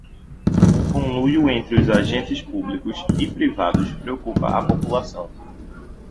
O conluio entre os agentes públicos e privados preocupa a população